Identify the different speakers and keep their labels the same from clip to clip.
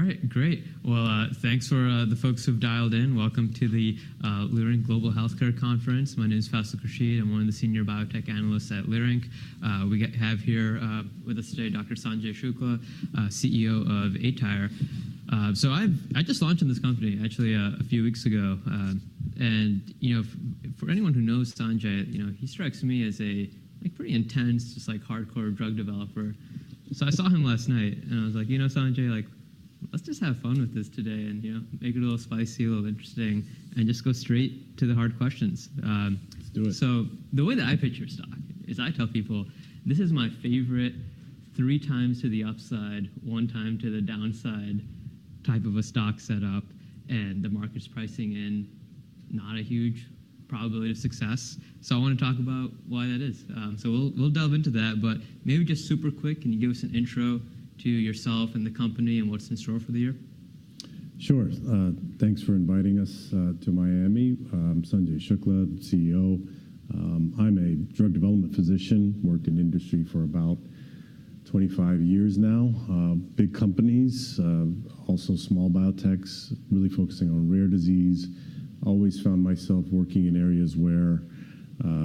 Speaker 1: All right, great. Thanks for the folks who've dialed in. Welcome to the Leerink Global Healthcare Conference. My name is Faisal Khurshid. I'm one of the Senior Biotech Analysts at Leerink. We have here with us today Dr. Sanjay Shukla, CEO of aTyr Pharma. I just launched in this company, actually, a few weeks ago. For anyone who knows Sanjay, he strikes me as a pretty intense, just hardcore drug developer. I saw him last night, and I was like, you know, Sanjay, let's just have fun with this today and make it a little spicy, a little interesting, and just go straight to the hard questions.
Speaker 2: Let's do it.
Speaker 1: The way that I pitch your stock is I tell people, this is my favorite three times to the upside, one time to the downside type of a stock setup, and the market's pricing in not a huge probability of success. I want to talk about why that is. We'll delve into that. Maybe just super quick, can you give us an intro to yourself and the company and what's in store for the year?
Speaker 2: Sure. Thanks for inviting us to Miami. I'm Sanjay Shukla, CEO. I'm a drug development physician. Worked in industry for about 25 years now. Big companies, also small biotechs, really focusing on rare disease. Always found myself working in areas where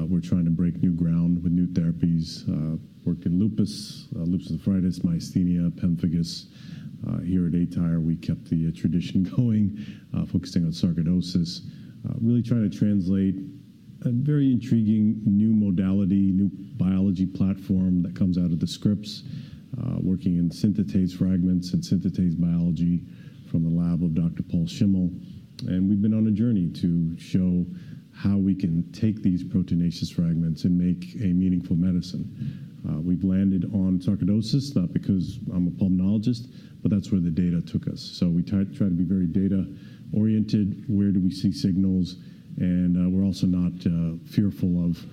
Speaker 2: we're trying to break new ground with new therapies. Worked in lupus, lupus nephritis, myasthenia, pemphigus. Here at aTyr, we kept the tradition going, focusing on sarcoidosis. Really trying to translate a very intriguing new modality, new biology platform that comes out of the Scripps. Working in synthetase fragments and synthetase biology from the lab of Dr. Paul Schimmel. And we've been on a journey to show how we can take these proteinaceous fragments and make a meaningful medicine. We've landed on sarcoidosis, not because I'm a pulmonologist, but that's where the data took us. We try to be very data-oriented. Where do we see signals? We are also not fearful of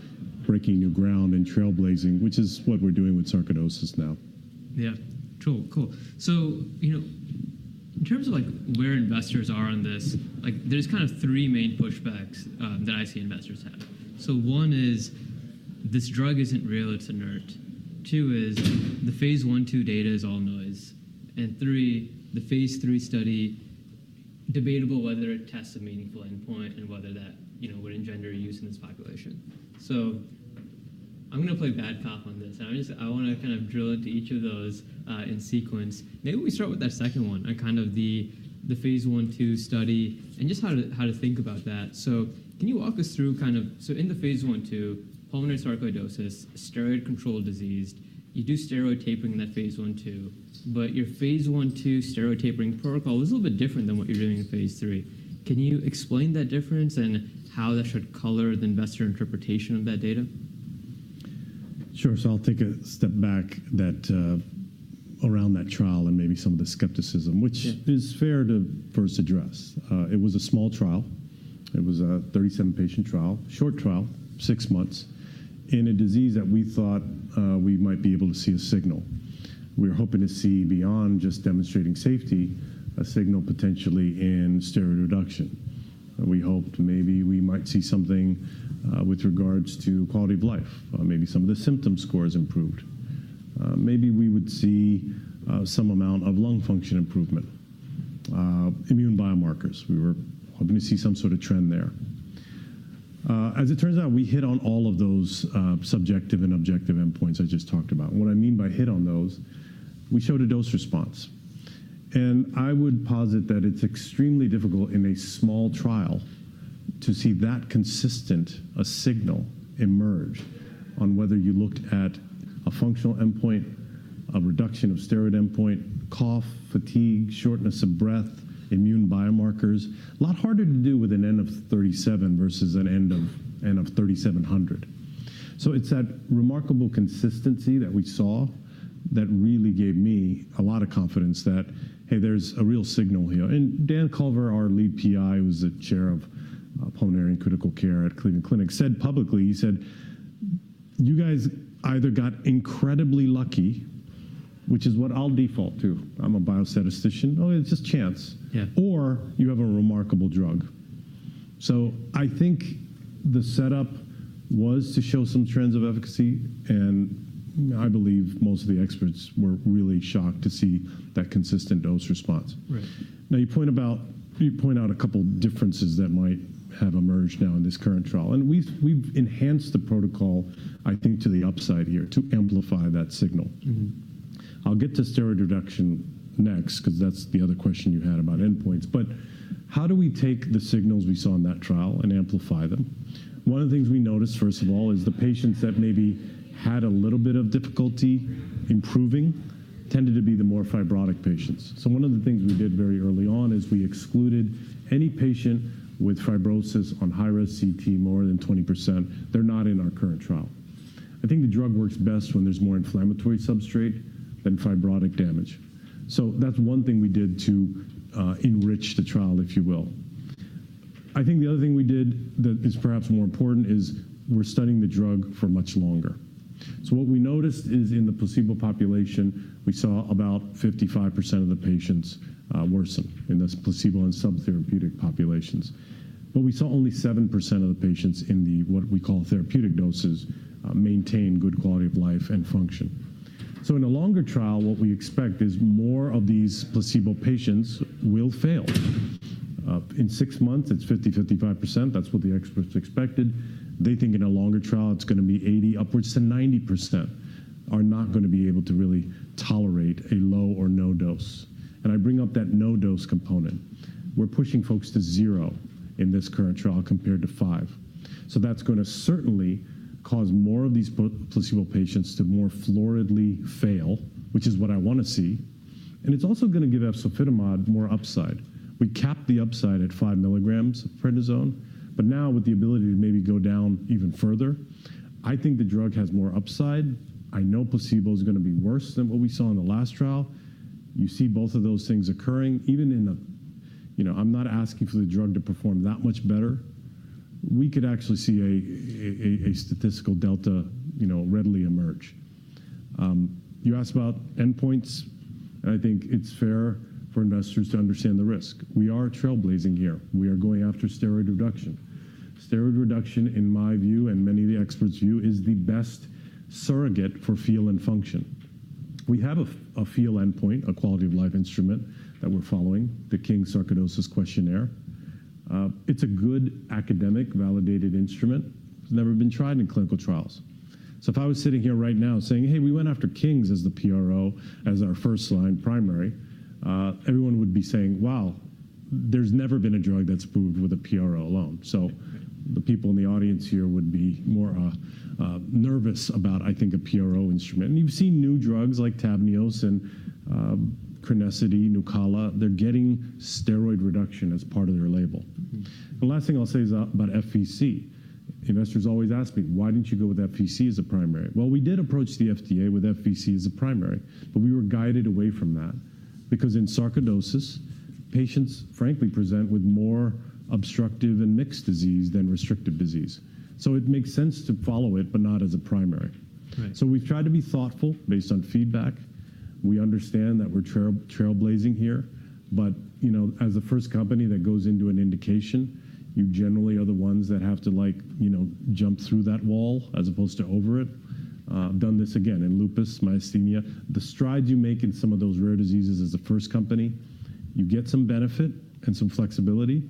Speaker 2: breaking new ground and trailblazing, which is what we are doing with sarcoidosis now.
Speaker 1: Yeah, cool. Cool. In terms of where investors are on this, there's kind of three main pushbacks that I see investors have. One is this drug isn't real. It's inert. Two is the phase I, II data is all noise. Three, the phase III study, debatable whether it tests a meaningful endpoint and whether that would engender use in this population. I'm going to play bad cop on this. I want to kind of drill into each of those in sequence. Maybe we start with that second one, kind of the phase I, II study and just how to think about that. Can you walk us through kind of, in the phase I, II, pulmonary sarcoidosis, steroid-controlled disease, you do steroid tapering in that phase I, II. phase I, II steroid tapering protocol is a little bit different than what you're doing in phase III. Can you explain that difference and how that should color the investor interpretation of that data?
Speaker 2: Sure. I'll take a step back around that trial and maybe some of the skepticism, which is fair to first address. It was a small trial. It was a 37-patient trial, short trial, six months, in a disease that we thought we might be able to see a signal. We were hoping to see beyond just demonstrating safety, a signal potentially in steroid reduction. We hoped maybe we might see something with regards to quality of life, maybe some of the symptom scores improved. Maybe we would see some amount of lung function improvement, immune biomarkers. We were hoping to see some sort of trend there. As it turns out, we hit on all of those subjective and objective endpoints I just talked about. What I mean by hit on those, we showed a dose response. I would posit that it's extremely difficult in a small trial to see that consistent a signal emerge on whether you looked at a functional endpoint, a reduction of steroid endpoint, cough, fatigue, shortness of breath, immune biomarkers, a lot harder to do with an n of 37 versus an n of 3,700. It is that remarkable consistency that we saw that really gave me a lot of confidence that, hey, there's a real signal here. Dan Culver, our lead PI, who was the chair of pulmonary and critical care at Cleveland Clinic, said publicly, he said, you guys either got incredibly lucky, which is what I'll default to. I'm a biostatistician. Oh, it's just chance. Or you have a remarkable drug. I think the setup was to show some trends of efficacy. I believe most of the experts were really shocked to see that consistent dose response. You point out a couple of differences that might have emerged now in this current trial. We have enhanced the protocol, I think, to the upside here to amplify that signal. I'll get to steroid reduction next because that's the other question you had about endpoints. How do we take the signals we saw in that trial and amplify them? One of the things we noticed, first of all, is the patients that maybe had a little bit of difficulty improving tended to be the more fibrotic patients. One of the things we did very early on is we excluded any patient with fibrosis on high-res CT more than 20%. They're not in our current trial. I think the drug works best when there's more inflammatory substrate than fibrotic damage. That's one thing we did to enrich the trial, if you will. I think the other thing we did that is perhaps more important is we're studying the drug for much longer. What we noticed is in the placebo population, we saw about 55% of the patients worsen in this placebo and subtherapeutic populations. We saw only 7% of the patients in the what we call therapeutic doses maintain good quality of life and function. In a longer trial, what we expect is more of these placebo patients will fail. In six months, it's 50%-55%. That's what the experts expected. They think in a longer trial, it's going to be 80%-90% are not going to be able to really tolerate a low or no dose. I bring up that no dose component. We're pushing folks to zero in this current trial compared to five. That is going to certainly cause more of these placebo patients to more floridly fail, which is what I want to see. It is also going to give efzofitimod more upside. We capped the upside at 5 mg of prednisone, but now with the ability to maybe go down even further, I think the drug has more upside. I know placebo is going to be worse than what we saw in the last trial. You see both of those things occurring. Even in a, I'm not asking for the drug to perform that much better. We could actually see a statistical delta readily emerge. You asked about endpoints. I think it is fair for investors to understand the risk. We are trailblazing here. We are going after steroid reduction. Steroid reduction, in my view, and many of the experts' view, is the best surrogate for feel and function. We have a feel endpoint, a quality of life instrument that we're following, the King's sarcoidosis Questionnaire. It's a good academic validated instrument. It's never been tried in clinical trials. If I was sitting here right now saying, hey, we went after King's as the PRO as our first line primary, everyone would be saying, wow, there's never been a drug that's approved with a PRO alone. The people in the audience here would be more nervous about, I think, a PRO instrument. You've seen new drugs like TAVNEOS and Chronicity, NUCALA. They're getting steroid reduction as part of their label. The last thing I'll say is about FVC. Investors always ask me, why didn't you go with FVC as a primary? We did approach the FDA with FVC as a primary, but we were guided away from that because in sarcoidosis, patients, frankly, present with more obstructive and mixed disease than restrictive disease. It makes sense to follow it, but not as a primary. We have tried to be thoughtful based on feedback. We understand that we are trailblazing here. As the first company that goes into an indication, you generally are the ones that have to jump through that wall as opposed to over it. Done this again in lupus, myasthenia. The strides you make in some of those rare diseases as the first company, you get some benefit and some flexibility.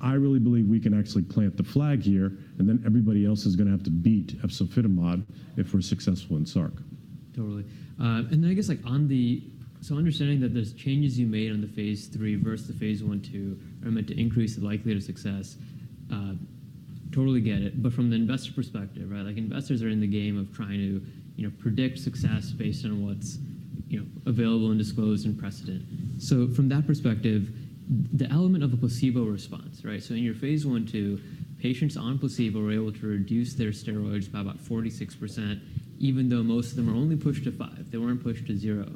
Speaker 2: I really believe we can actually plant the flag here, and then everybody else is going to have to beat efzofitimod if we are successful in sarc.
Speaker 1: Totally. I guess on the, so understanding that there's changes you made on the phase III versus phase I, II are meant to increase the likelihood of success, totally get it. From the investor perspective, investors are in the game of trying to predict success based on what's available and disclosed and precedent. From that perspective, the element of a placebo response, so in phase I, II, patients on placebo were able to reduce their steroids by about 46%, even though most of them were only pushed to five. They weren't pushed to zero.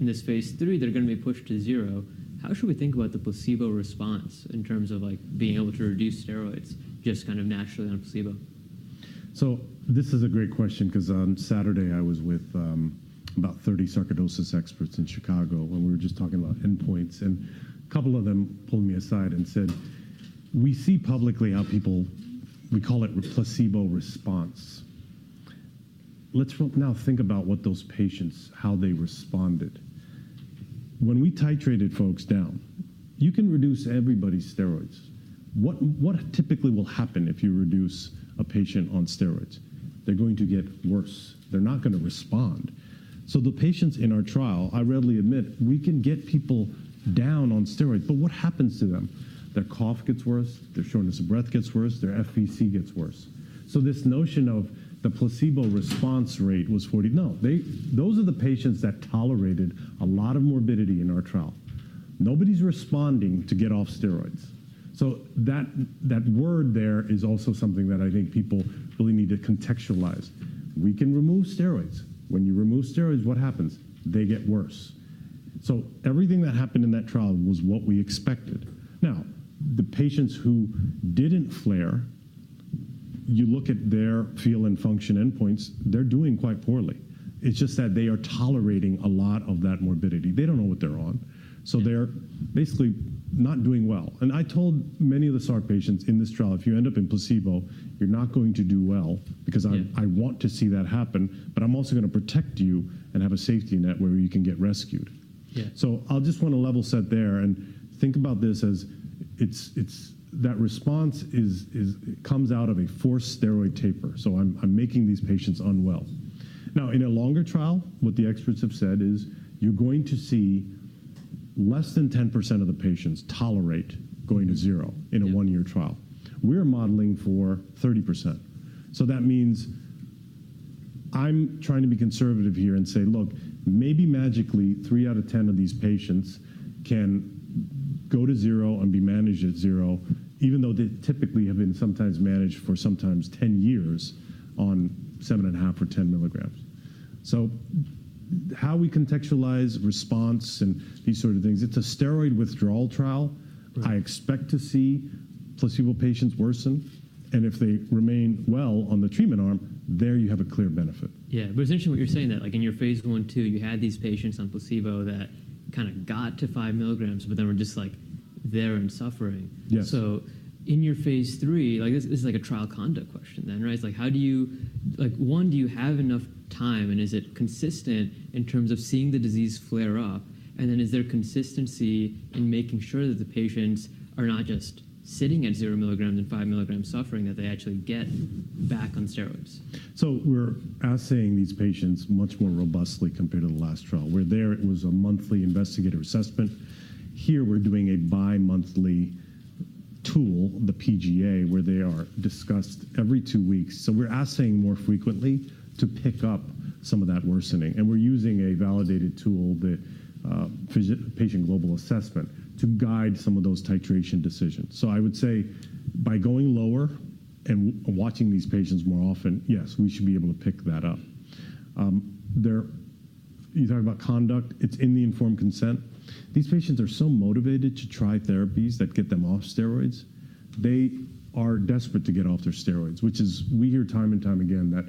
Speaker 1: In this phase III, they're going to be pushed to zero. How should we think about the placebo response in terms of being able to reduce steroids just kind of naturally on placebo? This is a great question because on Saturday, I was with about 30 sarcoidosis experts in Chicago when we were just talking about endpoints. A couple of them pulled me aside and said, we see publicly how people, we call it placebo response. Let's now think about what those patients, how they responded. When we titrated folks down, you can reduce everybody's steroids. What typically will happen if you reduce a patient on steroids? They're going to get worse. They're not going to respond. The patients in our trial, I readily admit, we can get people down on steroids. What happens to them? Their cough gets worse. Their shortness of breath gets worse. Their FVC gets worse. This notion of the placebo response rate was 40%. No, those are the patients that tolerated a lot of morbidity in our trial. Nobody's responding to get off steroids. That word there is also something that I think people really need to contextualize. We can remove steroids. When you remove steroids, what happens? They get worse. Everything that happened in that trial was what we expected. Now, the patients who didn't flare, you look at their feel and function endpoints, they're doing quite poorly. It's just that they are tolerating a lot of that morbidity. They don't know what they're on. They're basically not doing well. I told many of the sarc patients in this trial, if you end up in placebo, you're not going to do well because I want to see that happen, but I'm also going to protect you and have a safety net where you can get rescued. I'll just want to level set there and think about this as that response comes out of a forced steroid taper. I'm making these patients unwell. Now, in a longer trial, what the experts have said is you're going to see less than 10% of the patients tolerate going to zero in a one-year trial. We're modeling for 30%. That means I'm trying to be conservative here and say, look, maybe magically three out of 10 of these patients can go to zero and be managed at zero, even though they typically have been sometimes managed for sometimes 10 years on 7.5 or 10 mg. How we contextualize response and these sort of things, it's a steroid withdrawal trial. I expect to see placebo patients worsen. If they remain well on the treatment arm, there you have a clear benefit. Yeah. It's interesting what you're saying that in phase I, II, you had these patients on placebo that kind of got to 5 mg, but then were just like there and suffering. In your phase III, this is like a trial conduct question then, right? It's like how do you, one, do you have enough time and is it consistent in terms of seeing the disease flare up? Is there consistency in making sure that the patients are not just sitting at 0 milligrams and 5 mg suffering, that they actually get back on steroids?
Speaker 2: We're assaying these patients much more robustly compared to the last trial where there it was a monthly investigator assessment. Here we're doing a bi-monthly tool, the PGA, where they are discussed every two weeks. We're assaying more frequently to pick up some of that worsening. We're using a validated tool, the Patient Global Assessment, to guide some of those titration decisions. I would say by going lower and watching these patients more often, yes, we should be able to pick that up. You talk about conduct, it's in the informed consent. These patients are so motivated to try therapies that get them off steroids. They are desperate to get off their steroids, which is we hear time and time again that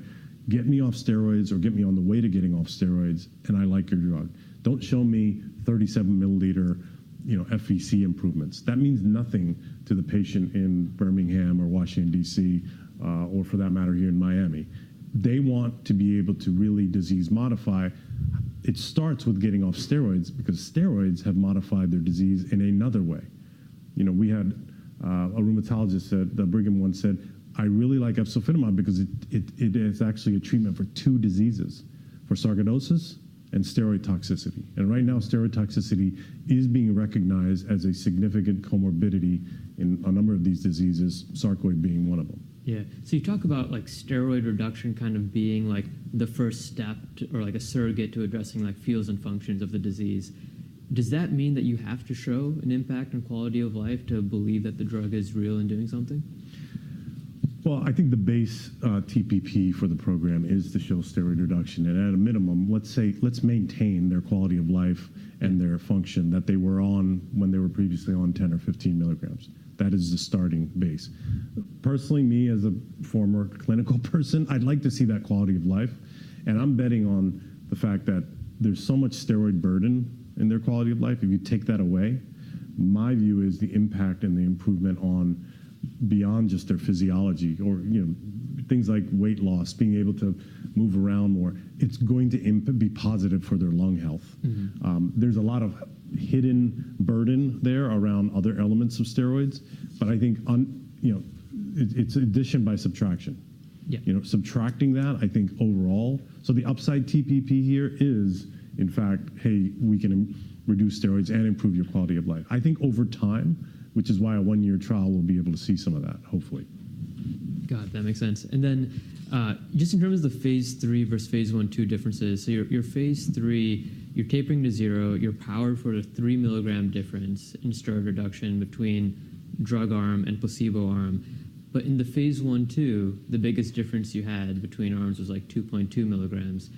Speaker 2: get me off steroids or get me on the way to getting off steroids and I like your drug. Don't show me 37 ml FVC improvements. That means nothing to the patient in Birmingham or Washington, DC, or for that matter here in Miami. They want to be able to really disease modify. It starts with getting off steroids because steroids have modified their disease in another way. We had a rheumatologist, the Brigham one, said, I really like efzofitimod because it is actually a treatment for two diseases, for sarcoidosis and steroid toxicity. Right now, steroid toxicity is being recognized as a significant comorbidity in a number of these diseases, sarcoid being one of them.
Speaker 1: Yeah. So you talk about steroid reduction kind of being the first step or a surrogate to addressing feels and functions of the disease. Does that mean that you have to show an impact on quality of life to believe that the drug is real and doing something?
Speaker 2: I think the base TPP for the program is to show steroid reduction. At a minimum, let's maintain their quality of life and their function that they were on when they were previously on 10 or 15 mg. That is the starting base. Personally, me as a former clinical person, I'd like to see that quality of life. I'm betting on the fact that there's so much steroid burden in their quality of life. If you take that away, my view is the impact and the improvement on beyond just their physiology or things like weight loss, being able to move around more, it's going to be positive for their lung health. There's a lot of hidden burden there around other elements of steroids. I think it's addition by subtraction. Subtracting that, I think overall, the upside TPP here is, in fact, hey, we can reduce steroids and improve your quality of life. I think over time, which is why a one-year trial will be able to see some of that, hopefully.
Speaker 1: Got it. That makes sense. Just in terms of the phase III phase I, II differences, your phase III, you're tapering to zero, you're powered for a 3 mg difference in steroid reduction between drug arm and placebo arm. In phase I, II, the biggest difference you had between arms was like 2.2 mg.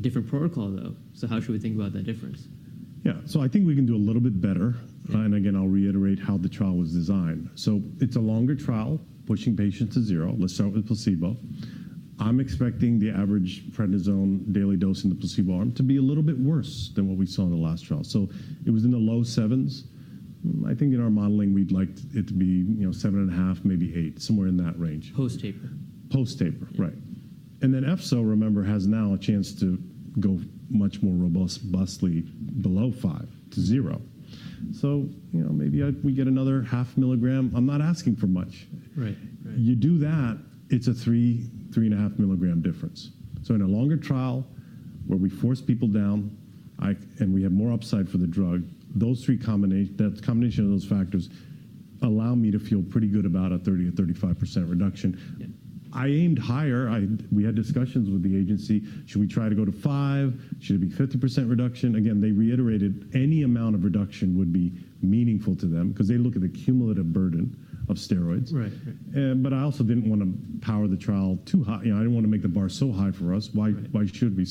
Speaker 1: Different protocol, though. How should we think about that difference?
Speaker 2: Yeah. I think we can do a little bit better. Again, I'll reiterate how the trial was designed. It is a longer trial pushing patients to zero. Let's start with placebo. I'm expecting the average prednisone daily dose in the placebo arm to be a little bit worse than what we saw in the last trial. It was in the low sevens. I think in our modeling, we'd like it to be 7.5, maybe 8, somewhere in that range.
Speaker 1: Post taper.
Speaker 2: Post taper, right. Efzo, remember, has now a chance to go much more robustly below five to zero. Maybe we get another half milligram. I'm not asking for much. You do that, it's a 3mg-3.5 mg difference. In a longer trial where we force people down and we have more upside for the drug, that combination of those factors allow me to feel pretty good about a 30% or 35% reduction. I aimed higher. We had discussions with the agency. Should we try to go to five? Should it be 50% reduction? They reiterated any amount of reduction would be meaningful to them because they look at the cumulative burden of steroids. I also didn't want to power the trial too high. I didn't want to make the bar so high for us. Why should we?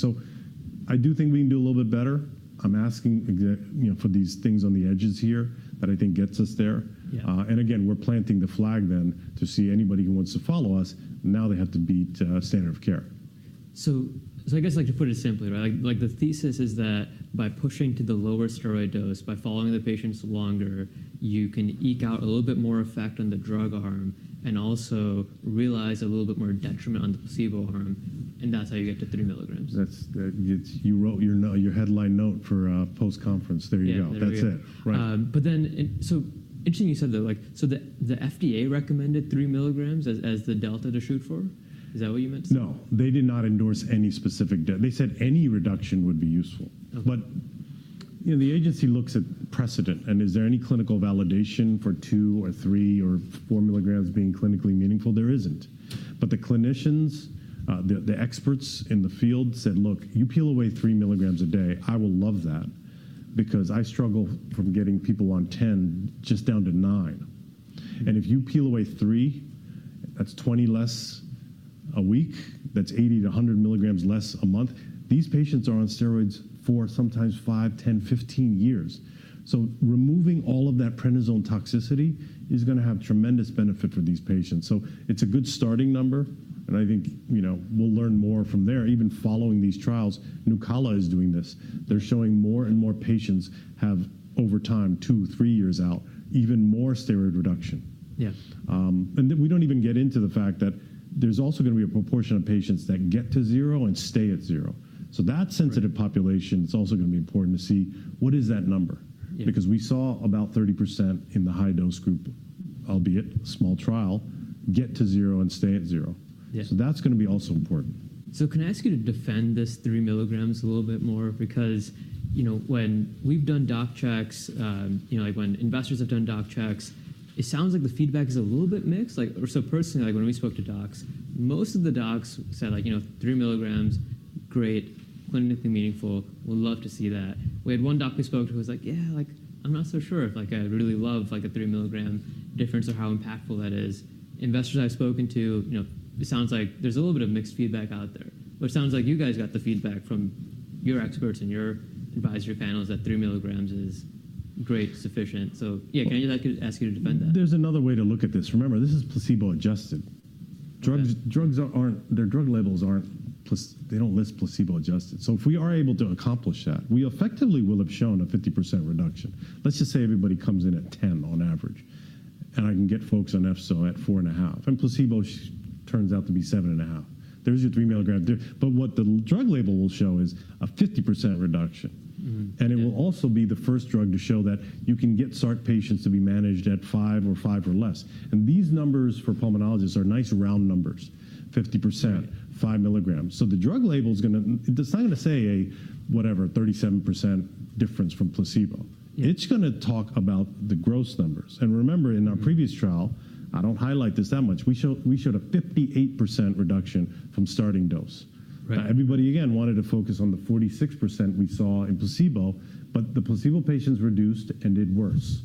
Speaker 2: I do think we can do a little bit better. I'm asking for these things on the edges here that I think gets us there. Again, we're planting the flag then to see anybody who wants to follow us, now they have to beat standard of care.
Speaker 1: I guess I'd like to put it simply, right? The thesis is that by pushing to the lower steroid dose, by following the patients longer, you can eke out a little bit more effect on the drug arm and also realize a little bit more detriment on the placebo arm. That's how you get to 3 mg.
Speaker 2: That's your headline note for post-conference. There you go. That's it. Right.
Speaker 1: Interesting you said that. So the FDA recommended 3 mg as the delta to shoot for? Is that what you meant?
Speaker 2: No. They did not endorse any specific delta. They said any reduction would be useful. The agency looks at precedent. Is there any clinical validation for 2 or 3 or 4 mg being clinically meaningful? There is not. The clinicians, the experts in the field said, look, you peel away 3 mg a day. I will love that because I struggle from getting people on 10 just down to 9. If you peel away 3, that is 20 less a week. That is 80 mg-100 mg less a month. These patients are on steroids for sometimes 5, 10, 15 years. Removing all of that prednisone toxicity is going to have tremendous benefit for these patients. It is a good starting number. I think we will learn more from there, even following these trials. NUCALA is doing this. They're showing more and more patients have, over time, two, three years out, even more steroid reduction. We don't even get into the fact that there's also going to be a proportion of patients that get to zero and stay at zero. That sensitive population, it's also going to be important to see what is that number because we saw about 30% in the high dose group, albeit small trial, get to zero and stay at zero. That's going to be also important.
Speaker 1: Can I ask you to defend this 3 mg a little bit more? Because when we've done doc checks, when investors have done doc checks, it sounds like the feedback is a little bit mixed. Personally, when we spoke to docs, most of the docs said 3 mg, great, clinically meaningful. We'd love to see that. We had one doc we spoke to who was like, yeah, I'm not so sure if I really love a 3 mg difference or how impactful that is. Investors I've spoken to, it sounds like there's a little bit of mixed feedback out there. It sounds like you guys got the feedback from your experts and your advisory panels that 3 mg is great, sufficient. Can I ask you to defend that?
Speaker 2: There's another way to look at this. Remember, this is placebo adjusted. Drug labels aren't, they don't list placebo adjusted. If we are able to accomplish that, we effectively will have shown a 50% reduction. Let's just say everybody comes in at 10 on average. I can get folks on efzom at 4.5, and placebo turns out to be 7.5. There's your 3 mg. What the drug label will show is a 50% reduction. It will also be the first drug to show that you can get SARC patients to be managed at 5 or 5 or less. These numbers for pulmonologists are nice round numbers, 50%, 5 mg. The drug label is not going to say a whatever, 37% difference from placebo. It's going to talk about the gross numbers. Remember, in our previous trial, I do not highlight this that much. We showed a 58% reduction from starting dose. Everybody, again, wanted to focus on the 46% we saw in placebo. The placebo patients reduced and did worse.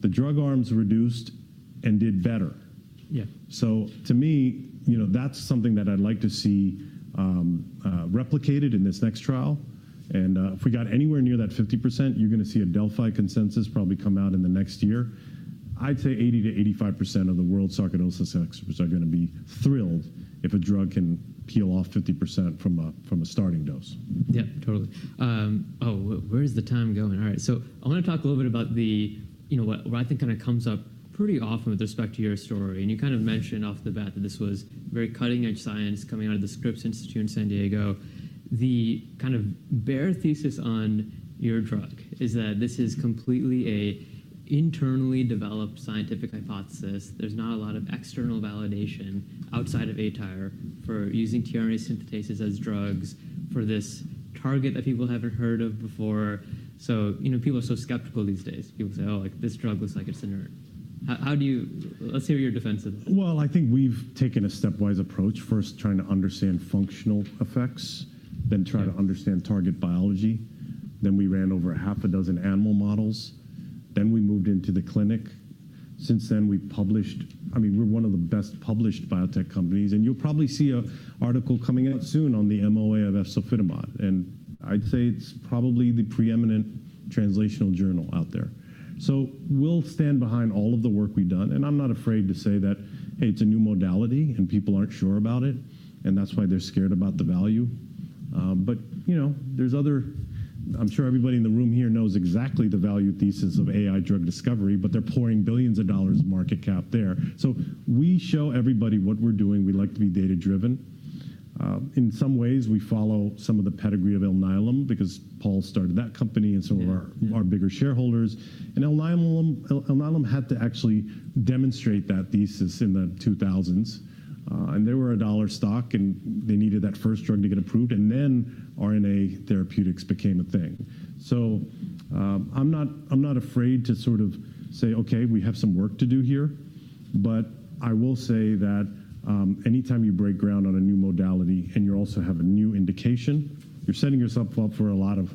Speaker 2: The drug arms reduced and did better. To me, that is something that I would like to see replicated in this next trial. If we got anywhere near that 50%, you are going to see a Delphi consensus probably come out in the next year. I would say 80%-85% of the world's sarcoidosis experts are going to be thrilled if a drug can peel off 50% from a starting dose.
Speaker 1: Yeah, totally. Oh, where is the time going? All right. I want to talk a little bit about what I think kind of comes up pretty often with respect to your story. You kind of mentioned off the bat that this was very cutting-edge science coming out of the Scripps Research in San Diego. The kind of bare thesis on your drug is that this is completely an internally developed scientific hypothesis. There's not a lot of external validation outside of aTyr for using tRNA synthetases as drugs for this target that people haven't heard of before. People are so skeptical these days. People say, oh, this drug looks like it's a nerd. Let's hear your defense of this.
Speaker 2: I think we've taken a stepwise approach, first trying to understand functional effects, then try to understand target biology. Then we ran over half a dozen animal models. Then we moved into the clinic. Since then, we published, I mean, we're one of the best published biotech companies. You will probably see an article coming out soon on the MOA of efzofitimod. I'd say it's probably the preeminent translational journal out there. We will stand behind all of the work we've done. I'm not afraid to say that, hey, it's a new modality and people aren't sure about it. That's why they're scared about the value. There are others, I'm sure everybody in the room here knows exactly the value thesis of AI drug discovery, but they're pouring billions of dollars of market cap there. We show everybody what we're doing. We like to be data-driven. In some ways, we follow some of the pedigree of Alnylam because Paul started that company and some of our bigger shareholders. Alnylam had to actually demonstrate that thesis in the 2000s. They were a dollar stock. They needed that first drug to get approved. Then RNA therapeutics became a thing. I'm not afraid to sort of say, OK, we have some work to do here. I will say that anytime you break ground on a new modality and you also have a new indication, you're setting yourself up for a lot of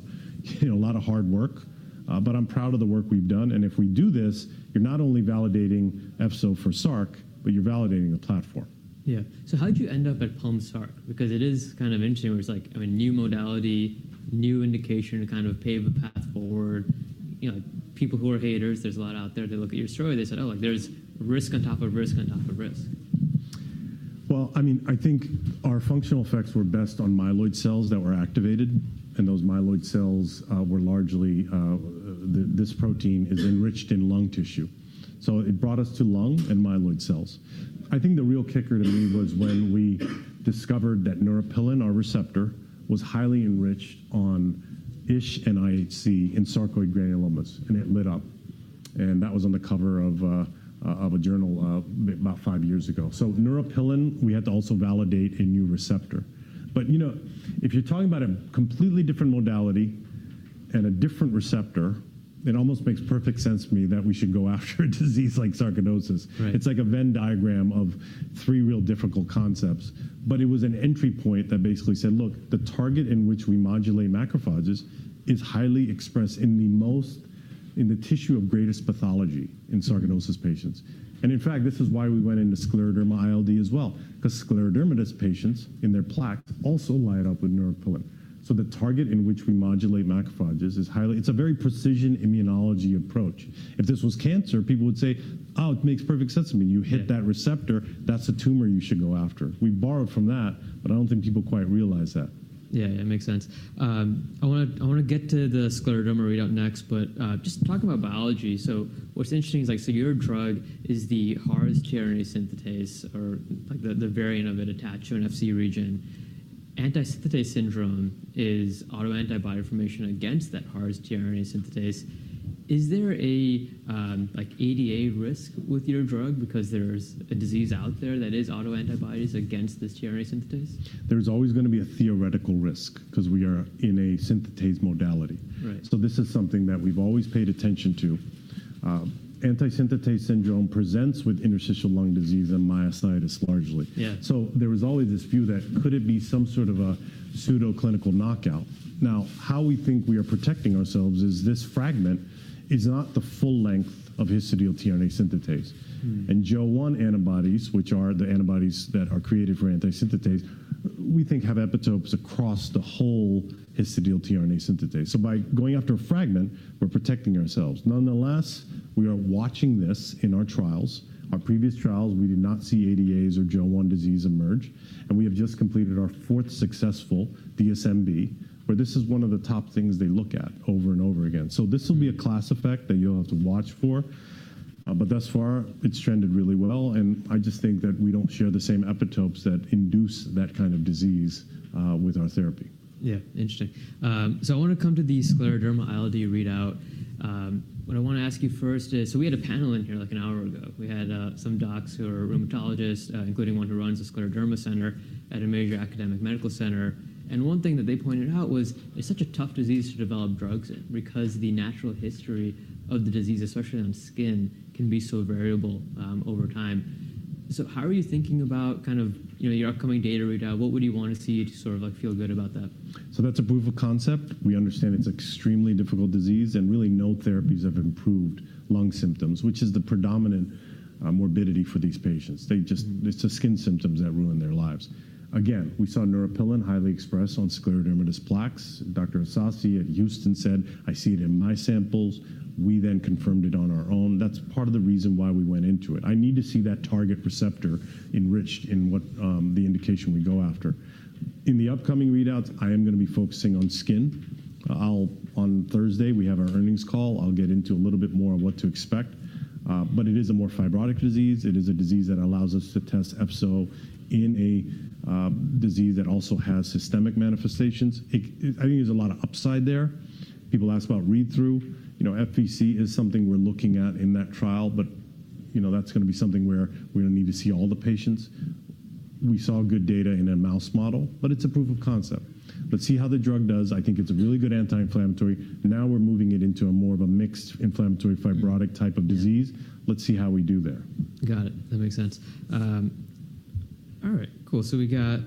Speaker 2: hard work. I'm proud of the work we've done. If we do this, you're not only validating efzofitimod for sarc, but you're validating the platform.
Speaker 1: Yeah. So how did you end up at pulm sarc? Because it is kind of interesting where it's like a new modality, new indication to kind of pave a path forward. People who are haters, there's a lot out there. They look at your story. They said, oh, there's risk on top of risk on top of risk.
Speaker 2: I mean, I think our functional effects were best on myeloid cells that were activated. And those myeloid cells were largely this protein is enriched in lung tissue. It brought us to lung and myeloid cells. I think the real kicker to me was when we discovered that Neuropilin, our receptor, was highly enriched on ISH and IHC in sarcoid granulomas. It lit up. That was on the cover of a journal about five years ago. Neuropilin, we had to also validate a new receptor. If you're talking about a completely different modality and a different receptor, it almost makes perfect sense to me that we should go after a disease like sarcoidosis. It's like a venn diagram of three real difficult concepts. It was an entry point that basically said, look, the target in which we modulate macrophages is highly expressed in the tissue of greatest pathology in sarcoidosis patients. In fact, this is why we went into scleroderma ILD as well, because scleroderma patients in their plaques also light up with Neuropilin. The target in which we modulate macrophages is highly, it's a very precision immunology approach. If this was cancer, people would say, oh, it makes perfect sense to me. You hit that receptor. That's a tumor you should go after. We borrowed from that. I don't think people quite realize that.
Speaker 1: Yeah, yeah, it makes sense. I want to get to the scleroderma readout next. Just talk about biology. What's interesting is your drug is the HARS tRNA synthetase, or the variant of it attached to an Fc region. Anti-synthetase syndrome is autoantibody formation against that HARS tRNA synthetase. Is there an ADA risk with your drug because there's a disease out there that is autoantibodies against this tRNA synthetase?
Speaker 2: There's always going to be a theoretical risk because we are in a synthetase modality. This is something that we've always paid attention to. Anti-synthetase syndrome presents with interstitial lung disease and myositis largely. There was always this view that could it be some sort of a pseudoclinical knockout? How we think we are protecting ourselves is this fragment is not the full length of Histidyl-tRNA synthetase. Jo-1 antibodies, which are the antibodies that are created for anti-synthetase, we think have epitopes across the whole Histidyl-tRNA synthetase. By going after a fragment, we're protecting ourselves. Nonetheless, we are watching this in our trials. Our previous trials, we did not see ADAs or Jo-1 disease emerge. We have just completed our fourth successful DSMB, where this is one of the top things they look at over and over again. This will be a class effect that you'll have to watch for. Thus far, it's trended really well. I just think that we don't share the same epitopes that induce that kind of disease with our therapy.
Speaker 1: Yeah, interesting. I want to come to the scleroderma ILD readout. What I want to ask you first is we had a panel in here like an hour ago. We had some docs who are rheumatologists, including one who runs the scleroderma center at a major academic medical center. One thing that they pointed out was it's such a tough disease to develop drugs in because the natural history of the disease, especially on skin, can be so variable over time. How are you thinking about kind of your upcoming data readout? What would you want to see to sort of feel good about that?
Speaker 2: That's a proof of concept. We understand it's an extremely difficult disease. Really, no therapies have improved lung symptoms, which is the predominant morbidity for these patients. It's the skin symptoms that ruin their lives. Again, we saw Neuropilin highly expressed on scleroderma plaques. Dr. Assassi at Houston said, I see it in my samples. We then confirmed it on our own. That's part of the reason why we went into it. I need to see that target receptor enriched in what the indication we go after. In the upcoming readouts, I am going to be focusing on skin. On Thursday, we have our earnings call. I'll get into a little bit more of what to expect. It is a more fibrotic disease. It is a disease that allows us to test efzofitimod in a disease that also has systemic manifestations. I think there's a lot of upside there. People ask about read-through. FVC is something we're looking at in that trial. That is going to be something where we're going to need to see all the patients. We saw good data in a mouse model. That is a proof of concept. Let's see how the drug does. I think it's a really good anti-inflammatory. Now we're moving it into more of a mixed inflammatory fibrotic type of disease. Let's see how we do there.
Speaker 1: Got it. That makes sense. All right, cool. We got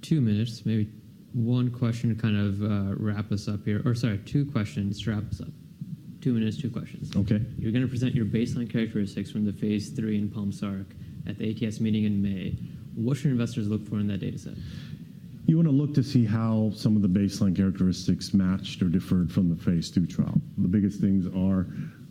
Speaker 1: two minutes, maybe one question to kind of wrap us up here. Or sorry, two questions to wrap us up. Two minutes, two questions.
Speaker 2: OK.
Speaker 1: You're going to present your baseline characteristics from the phase III in pulm sarc at the ATS meeting in May. What should investors look for in that data set?
Speaker 2: You want to look to see how some of the baseline characteristics matched or differed from the phase II trial. The biggest things are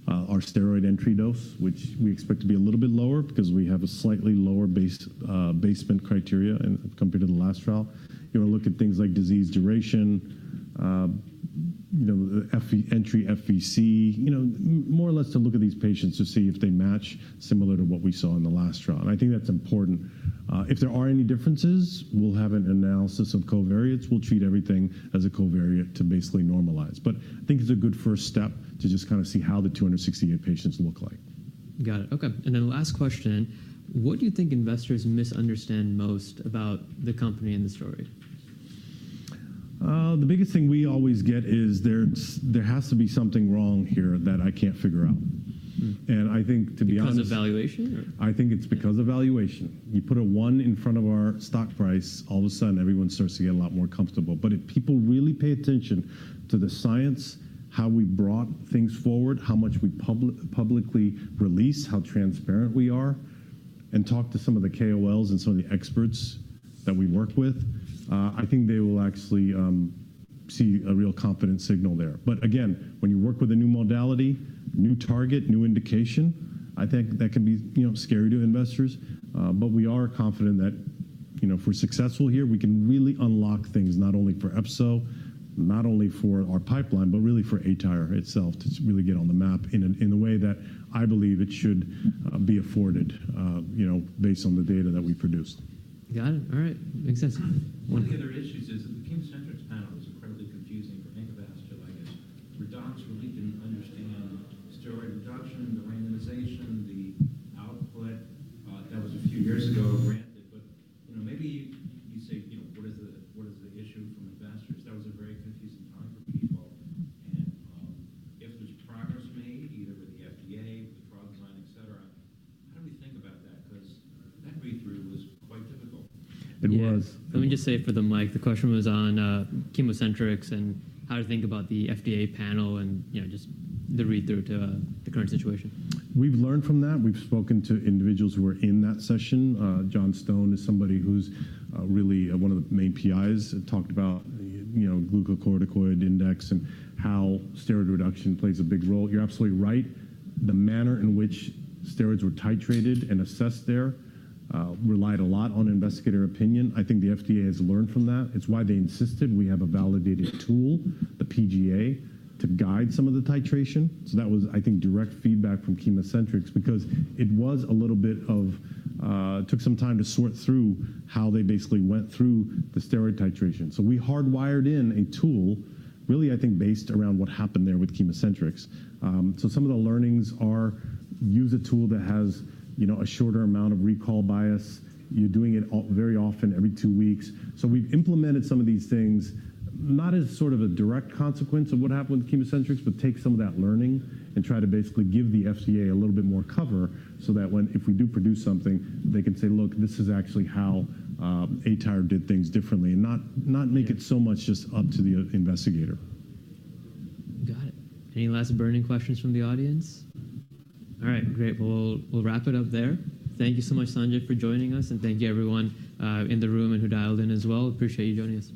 Speaker 2: our steroid entry dose, which we expect to be a little bit lower because we have a slightly lower basement criteria compared to the last trial. You want to look at things like disease duration, entry FVC, more or less to look at these patients to see if they match similar to what we saw in the last trial. I think that's important. If there are any differences, we'll have an analysis of covariates. We'll treat everything as a covariate to basically normalize. I think it's a good first step to just kind of see how the 268 patients look like.
Speaker 1: Got it. OK. And then last question, what do you think investors misunderstand most about the company and the story?
Speaker 2: The biggest thing we always get is there has to be something wrong here that I can't figure out. I think, to be honest.
Speaker 1: Because of valuation?
Speaker 2: I think it's because of valuation. You put a 1 in front of our stock price, all of a sudden, everyone starts to get a lot more comfortable. If people really pay attention to the science, how we brought things forward, how much we publicly release, how transparent we are, and talk to some of the KOLs and some of the experts that we work with, I think they will actually see a real confidence signal there. When you work with a new modality, new target, new indication, I think that can be scary to investors. We are confident that if we're successful here, we can really unlock things not only for efzofitimod, not only for our pipeline, but really for aTyr itself to really get on the map in a way that I believe it should be afforded based on the data that we produce.
Speaker 1: Got it. All right, makes sense. One of the other issues is that the ChemoCentryx panel was incredibly confusing for aTyr Pharma, where docs really didn't understand steroid reduction, the randomization, the output. That was a few years ago, granted. Maybe you say, what is the issue from investors? That was a very confusing time for people. If there's progress made, either with the FDA, with the trial design, et cetera, how do we think about that? That read-through was quite difficult.
Speaker 2: It was.
Speaker 1: Let me just say for the mic, the question was on ChemoCentryx and how to think about the FDA panel and just the read-through to the current situation.
Speaker 2: We've learned from that. We've spoken to individuals who were in that session. John Stone is somebody who's really one of the main PIs and talked about glucocorticoid index and how steroid reduction plays a big role. You're absolutely right. The manner in which steroids were titrated and assessed there relied a lot on investigator opinion. I think the FDA has learned from that. It's why they insisted we have a validated tool, the PGA, to guide some of the titration. That was, I think, direct feedback from ChemoCentryx because it was a little bit of it took some time to sort through how they basically went through the steroid titration. We hardwired in a tool, really, I think, based around what happened there with ChemoCentryx. Some of the learnings are use a tool that has a shorter amount of recall bias. You're doing it very often every two weeks. We have implemented some of these things, not as sort of a direct consequence of what happened with ChemoCentryx, but take some of that learning and try to basically give the FDA a little bit more cover so that if we do produce something, they can say, look, this is actually how aTyr did things differently, and not make it so much just up to the investigator.
Speaker 1: Got it. Any last burning questions from the audience? All right, great. We'll wrap it up there. Thank you so much, Sanjay, for joining us. Thank you, everyone in the room and who dialed in as well. Appreciate you joining us.